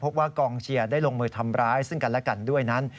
กองเชียร์ได้ลงมือทำร้ายซึ่งกันและกันด้วยนั้น